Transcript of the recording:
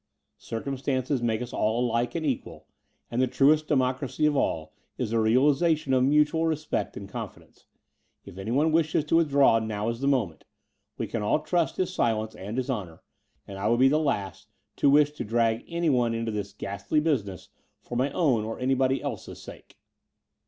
Circumstances make us all alike and equal ; and the truest democracy of all is the realization of mutual respect and confidence. If any one wishes to with draw, now is the moment. We can all trust his silence and his honour; and I would be the last to wish to drag any one into this ghastly business for my own or anybody else's sake."